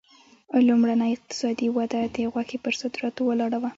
لومړنۍ اقتصادي وده د غوښې پر صادراتو ولاړه وه.